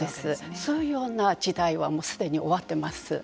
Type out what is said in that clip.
そういうような時代はすでに終わっています。